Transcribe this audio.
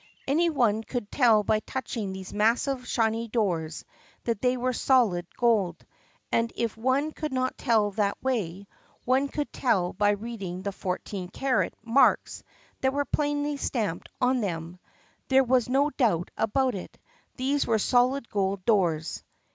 Any one could tell by touching these massive shiny doors that they were solid gold. And if one could riot tell that way, one could tell by reading the "14 carat" marks that were plainly stamped on them. There was no doubt about it. These were solid gold doors.